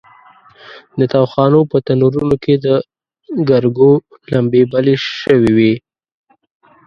د تاوخانو په تنورونو کې د ګرګو لمبې بلې شوې وې.